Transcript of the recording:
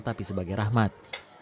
tapi sebagai rahmat